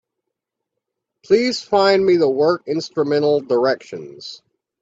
Please find me the work, Instrumental Directions.